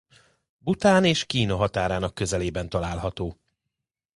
Bhután és Kína határának közelében található.